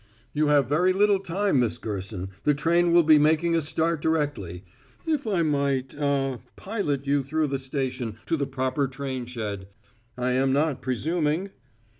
"You have very little time, Miss Gerson. The train will be making a start directly. If I might ah pilot you through the station to the proper train shed. I am not presuming?"